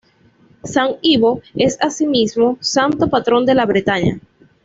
San Ivo es así mismo santo patrón de la Bretaña.